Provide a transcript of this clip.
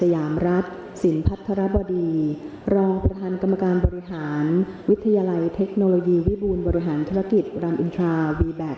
ท่านประธานกรรมการบริหารวิทยาลัยเทคโนโลยีวิบูรณ์บริหารธลักษณะกิจ